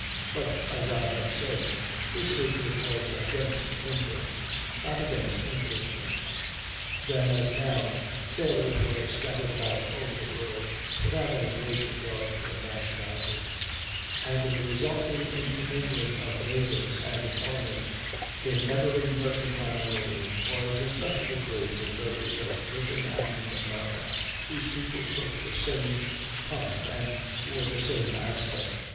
But, as I have said, this hatred was against England, not against Englishmen. Then, as now, sailors were scattered about over the world without any great regard for nationality; and the resulting intermingling of natives and foreigners in every mercantile marine was especially great in those of Britain and America, whose people spoke the same tongue and wore the same aspect.